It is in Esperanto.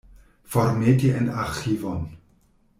Formeti en arĥivon.